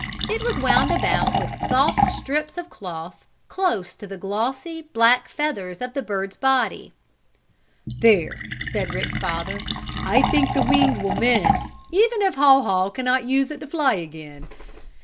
It was wound about with soft strips of cloth close to the glossy, black feathers of the bird's body. "There," said Rick's father. "I think the wing will mend, even if Haw Haw can not use it to fly again.